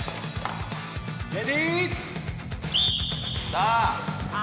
さあ。